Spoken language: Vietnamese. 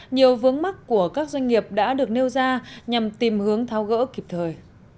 nhiều vướng mắt của các doanh nghiệp đã được nêu ra nhằm tìm hướng tháo gỡ kịp thời